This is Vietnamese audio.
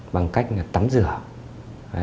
bằng cách tắm rửa